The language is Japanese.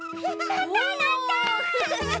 なったなった！